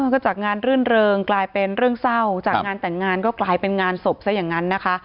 ก็จากงานรื่นเริงกลายเป็นเรื่องเศร้าจากงานแต่งงานก็กลายเป็นงานศพซะอย่างนั้นนะคะ